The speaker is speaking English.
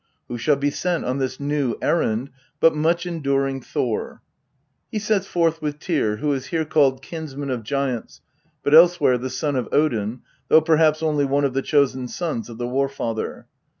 Who shall be sent on this new errand but much enduring Thor ? He sets forth with Tyr, who is here called " kinsman of giants," but else where the son of Odin, though perhaps only one of the chosen sons of the War father.